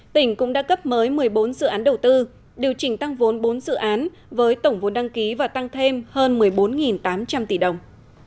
tỉnh cũng đã cấp mới một mươi bốn dự án đầu tư điều chỉnh tăng vốn bốn dự án với tổng vốn đăng ký và tăng thêm hơn một mươi bốn tám trăm linh tỷ đồng